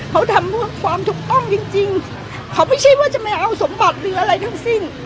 เขาทำเพื่อความถูกต้องจริงจริงเขาไม่ใช่ว่าจะไม่เอาสมบัติหรืออะไรทั้งสิ้น